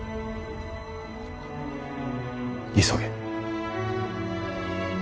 急げ。